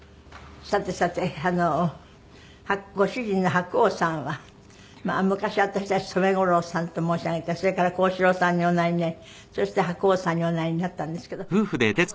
さてさてご主人の白鸚さんは昔私たち染五郎さんと申し上げてそれから幸四郎さんにおなりになりそして白鸚さんにおなりになったんですけど。